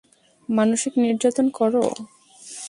মানসিক নির্যাতন কর।